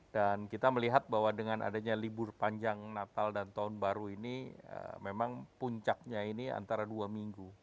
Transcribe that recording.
dan kita melihat bahwa dengan adanya libur panjang natal dan tahun baru ini memang puncaknya ini antara dua minggu